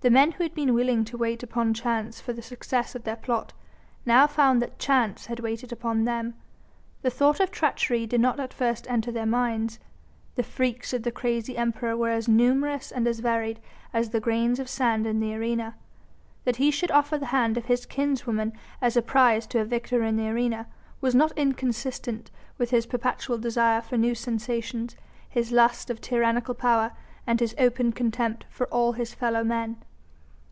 The men who had been willing to wait upon chance for the success of their plot, now found that Chance had waited upon them. The thought of treachery did not at first enter their minds. The freaks of the crazy Emperor were as numerous and as varied as the grains of sand in the arena. That he should offer the hand of his kinswoman as a prize to a victor in the arena, was not inconsistent with his perpetual desire for new sensations, his lust of tyrannical power and his open contempt for all his fellow men.